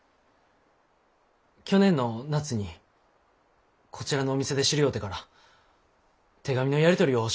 去年の夏にこちらのお店で知り合うてから手紙のやり取りをしょおりました。